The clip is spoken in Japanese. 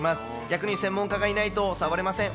逆に専門家がいないと触れません。